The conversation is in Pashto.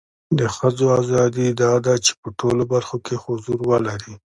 د خځو اذادی دا ده چې په ټولو برخو کې حضور ولري